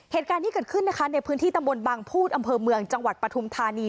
เหตุการณ์นี้เกิดขึ้นนะคะในพื้นที่ตำบลบางพูดอำเภอเมืองจังหวัดปฐุมธานี